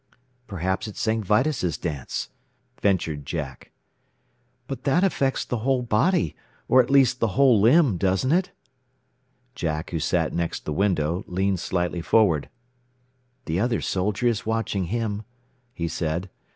"Perhaps it's St. Vitus' dance," ventured Jack. "But that affects the whole body, or at least the whole limb, doesn't it?" Jack, who sat next the window, leaned slightly forward. "The other soldier is watching him," he said.